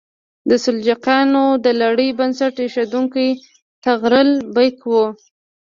د سلجوقیانو د لړۍ بنسټ ایښودونکی طغرل بیګ و.